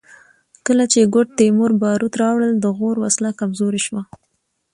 کله چې ګوډ تیمور باروت راوړل د غور وسله کمزورې شوه